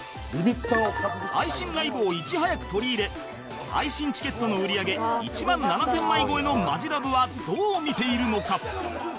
配信ライブをいち早く取り入れ配信チケットの売り上げ１万７０００枚超えのマヂラブはどう見ているのか？